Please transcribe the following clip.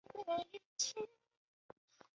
要怎么被看到